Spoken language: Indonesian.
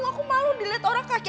aku malu diliat orang kaki